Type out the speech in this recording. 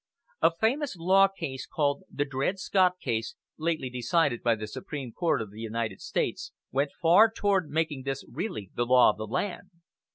A famous law case, called the Dred Scott case, lately decided by the Supreme Court of the United States, went far toward making this really the law of the land.